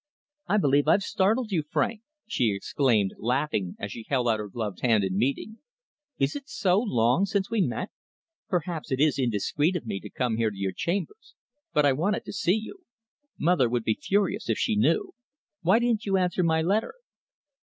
"I believe I've startled you, Frank," she exclaimed, laughing, as she held out her gloved hand in greeting. "Is it so long since we met? Perhaps it is indiscreet of me to come here to your chambers, but I wanted to see you. Mother would be furious if she knew. Why didn't you answer my letter?"